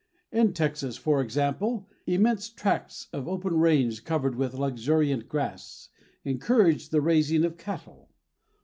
In Texas, for example, immense tracts of open range, covered with luxuriant grass, encouraged the raising of cattle.